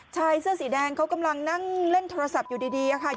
ชายเสื้อสีแดงเขากำลังนั่งเล่นโทรศัพท์อยู่ดีค่ะ